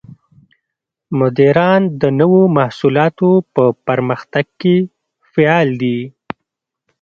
مدیران د نوو محصولاتو په پرمختګ کې فعال دي.